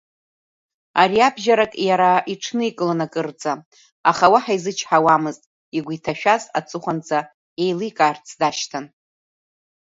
Ариабжьарак иара иҽникылон акырӡа, аха уаҳа изычҳауамызт, игәы иҭашәаз аҵыхәанӡа еиликаарц дашьҭан.